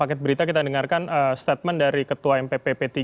di paket berita kita dengarkan statement dari ketua mppp tiga